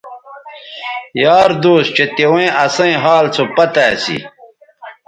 یار دوس چہء تیویں اسئیں حال سو پتہ اسی